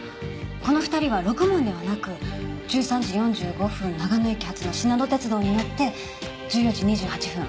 この２人はろくもんではなく１３時４５分長野駅発のしなの鉄道に乗って１４時２８分